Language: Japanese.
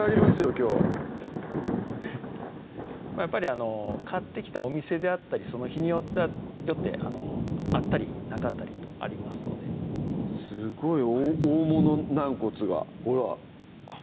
きょうやっぱりあの買ってきたお店であったりその日によってあったりなかったりとありますのですごい大物軟骨がほらあっ